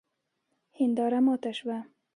هنداره ماته سوه